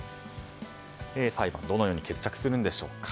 裁判はどのように決着するんでしょうか。